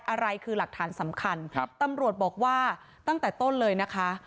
อะไรคือหลักฐานสำคัญครับตำรวจบอกว่าตั้งแต่ต้นเลยนะคะ